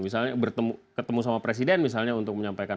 misalnya bertemu sama presiden misalnya untuk menyampaikan